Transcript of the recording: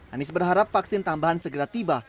anies berharap vaksin tambahan segera tiba